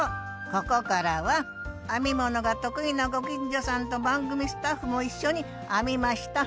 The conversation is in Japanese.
ここからは編み物が得意なご近所さんと番組スタッフも一緒に編みました。